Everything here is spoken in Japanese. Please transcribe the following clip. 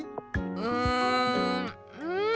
うんうん。